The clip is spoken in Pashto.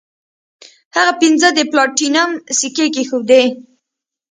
هغه پنځه د پلاټینم سکې کیښودې.